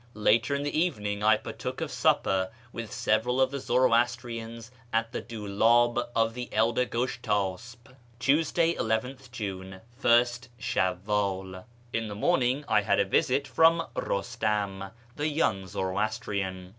Later in the evening I partook of supper with several of the Zoroastrians at the dulcib of the elder Gushtasp. Tuesday, llth June, 1st Shawivdl. — In the morning I had a visit from Eustam, the young Zoroastrian.